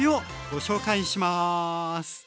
ご紹介します。